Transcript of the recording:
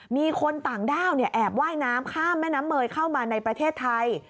มีคนต่างด้าวแอบว่ายน้ำข้ามแม่น้ำเมยเข้ามาในประเทศไทย